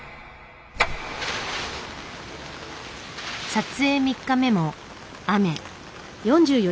撮影３日目も雨。